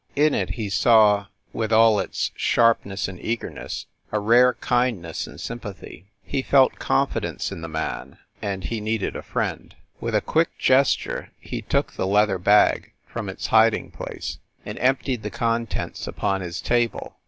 In it he saw, with all its sharpness and eagerness, a rare kindness and sympathy. He felt confidence in the man ; and he needed a friend. With a quick gesture, he took the leather bag from its hiding place, and emptied the contents upon his table.